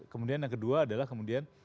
kemudian yang kedua adalah kemudian